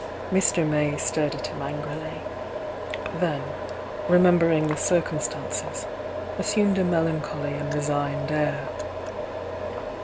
Mr. May stared at him angrily,— then, remember mg the circumstances, assumed a melancholy and re signed air.